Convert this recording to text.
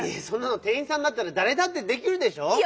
そんなのてんいんさんだったらだれだってできるでしょ！